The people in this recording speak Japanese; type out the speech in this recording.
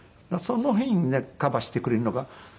その辺ねカバーしてくれるのが。